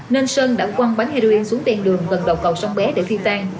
nên sơn đã quăng bánh heroin xuống đen đường gần đầu cầu sông bé để phi tan